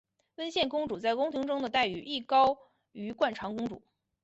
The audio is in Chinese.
温宪公主在宫廷中的待遇亦高于惯常公主。